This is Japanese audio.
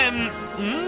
うん！